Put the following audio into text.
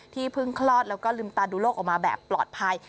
เพิ่งคลอดแล้วก็ลืมตาดูโลกออกมาแบบปลอดภัย